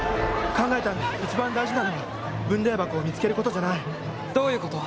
考えたんだ一番大事なのは分霊箱を見つけることじゃないどういうこと？